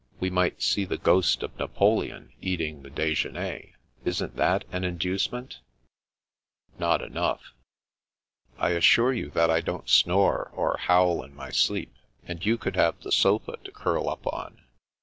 " We might see the ghost of Napoleon eating the de jeuner. Isn't that an inducement ?"" Not enough." " I assure you that I don't snore or howl in my sleep. And you could have the sofa to curl up on."